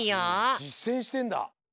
じっせんしてんだ。